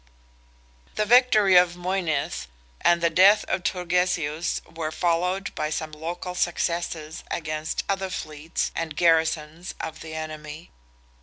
The victory of Moynith and the death of Turgesius were followed by some local successes against other fleets and garrisons of the enemy.